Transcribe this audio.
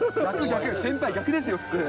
先輩、逆ですよ、普通。